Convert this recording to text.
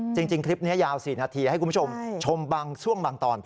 จริงคลิปนี้ยาว๔นาทีให้คุณผู้ชมชมบางช่วงบางตอน